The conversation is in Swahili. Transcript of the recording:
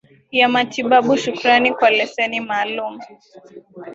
ya matibabu shukrani kwa leseni maalum